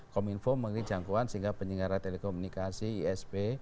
kominfo mengirim jangkauan sehingga penyelenggara telekomunikasi isp